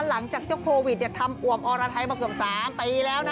หลังจากเจ้าโควิดทำอวมอรไทยมาเกือบ๓ปีแล้วนะ